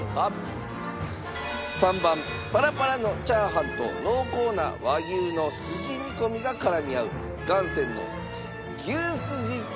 ３番パラパラのチャーハンと濃厚な和牛のすじ煮込みが絡み合う雁川の牛すじチャーハンか？